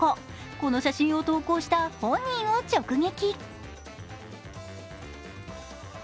この写真を投稿した本人を直撃。